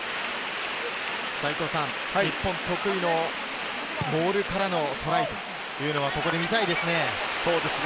日本得意のモールからのトライというのをここで見たいですね。